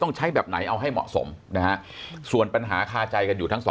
ใช้แบบไหนเอาให้เหมาะสมนะฮะส่วนปัญหาคาใจกันอยู่ทั้งสอง